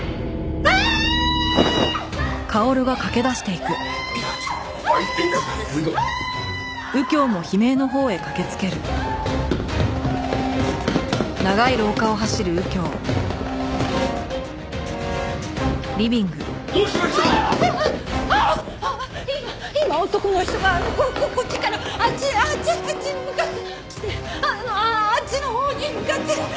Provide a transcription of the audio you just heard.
あのあああっちのほうに向かって。